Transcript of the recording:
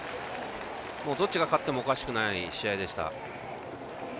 どっちが勝ってもおかしくない試合でした。